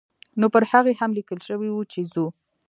نو پر هغې هم لیکل شوي وو چې ځو.